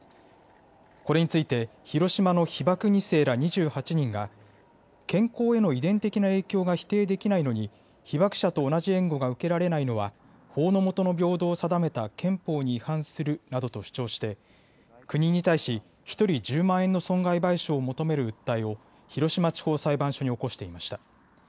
これについて広島の被爆２世ら２８人が健康への遺伝的な影響が否定できないのに被爆者と同じ援護が受けられないのは法の下の平等を定めた憲法に違反するなどと主張して国に対し１人１０万円の損害賠償を求める訴えを広島地方裁判所に起こしていました。